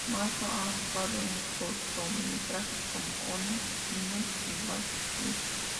Masó ha actuado en cortometrajes como "One Minute" y "Who's There?".